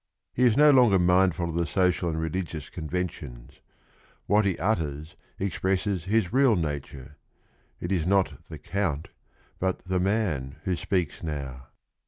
He is no longer mindful of the social and religious con ventions. What he utters expresses his real nature. It is not the "Count" but the man who speaks now.